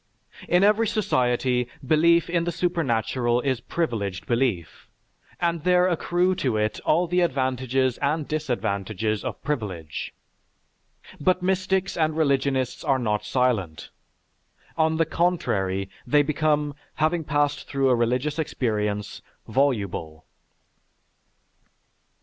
In every society belief in the supernatural is privileged belief, and there accrue to it all the advantages and disadvantages of privilege.... But mystics and religionists are not silent. On the contrary, they become, having passed through a religious experience, voluble.